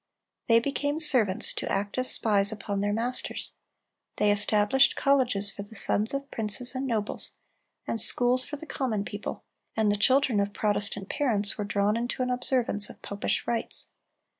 They became servants, to act as spies upon their masters. They established colleges for the sons of princes and nobles, and schools for the common people; and the children of Protestant parents were drawn into an observance of popish rites.